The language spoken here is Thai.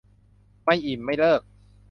ไม่อิ่มไม่เลิก